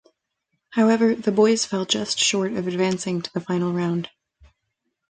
However, the "Boyz" fell just short of advancing to the final round.